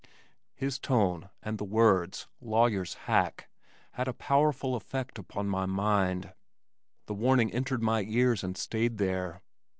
His tone and the words, "lawyer's hack" had a powerful effect upon my mind. The warning entered my ears and stayed there.